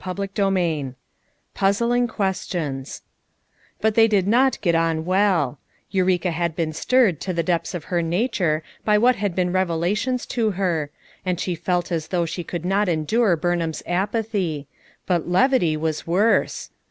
CHAPTER XIV PUZZLING QUESTIONS But they did not get on well Eureka had been stirred to the depths of her nature by what had been revelations to her, and she felt as though she could not endure Burnham's ap athy; but levity was worse.